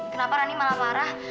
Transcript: kenapa rani malah marah